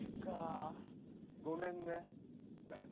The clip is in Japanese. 「ごめんね」だよ。